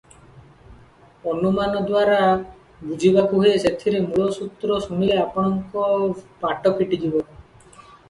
ଅନୁମାନ ଦ୍ୱାରା ବୁଝିବାକୁ ହୁଏ ସେଥିର ମୂଳସୂତ୍ର ଶୁଣିଲେ ଆପଣଙ୍କ ବାଟ ଫିଟିଯିବ ।